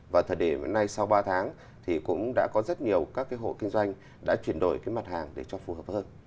và thời điểm nay sau ba tháng thì cũng đã có rất nhiều các cái hộ kinh doanh đã chuyển đổi cái mặt hàng để cho phù hợp hơn